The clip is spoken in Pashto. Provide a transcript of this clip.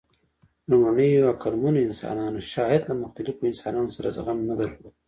لومړنیو عقلمنو انسانانو شاید له مختلفو انسانانو سره زغم نه درلود.